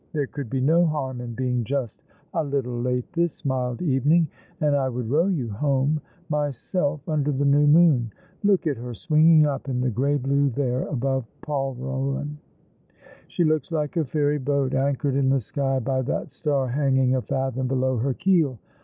There could be no harm in being just a little late this mild evening, and I would row you home — myself, under the new moon. Look at her swinging up in the grey blue there above Polruan. She looks like a fairy boat, anchored in the sky by that star hanging a fathom below h^r keel.